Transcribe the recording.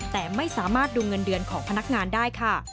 แต่ไม่สามารถดูเงินเดือนของพนักงานได้ค่ะ